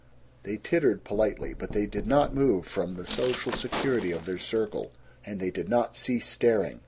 They tittered politely, but they did not move from the social security of their circle, and they did not cease staring.